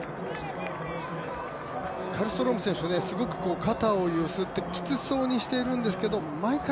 カルストローム選手、すごく肩を揺すってきつそうにしているんですが毎回、